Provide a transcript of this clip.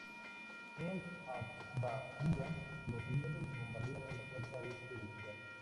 En Ajdabiya los aliados bombardearon la puerta este de la ciudad.